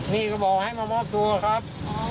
นี่ก็บอกให้มามอบตัวครับ